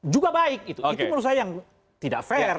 juga baik itu menurut saya yang tidak fair